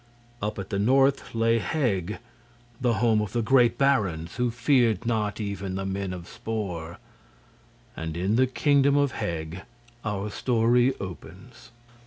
Up at the north lay Heg, the home of the great barons who feared not even the men of Spor; and in the Kingdom of Heg our story opens.